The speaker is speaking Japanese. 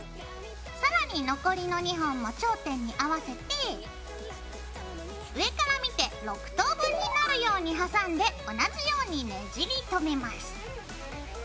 さらに残りの２本も頂点に合わせて上から見て６等分になるように挟んで同じようにねじりとめます。